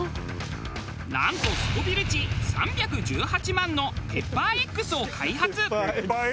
なんとスコヴィル値３１８万のペッパーＸを開発。